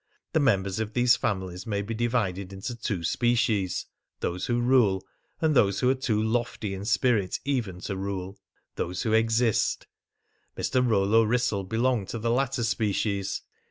The members of these families may be divided into two species: those who rule, and those who are too lofty in spirit even to rule those who exist. Mr. Rollo Wrissell belonged to the latter species.